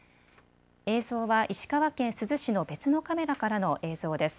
映像は石川県珠洲市の別のカメラからの映像です。